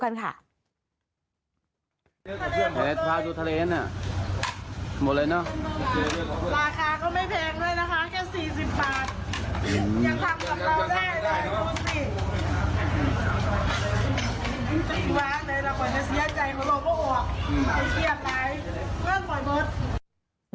หวานเลยเราควรจะเสียใจของโลกพ่อออกไปเชียบไปเริ่มปล่อยบุธ